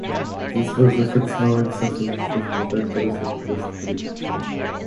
This was the first known instance of a chest protector used in Test cricket.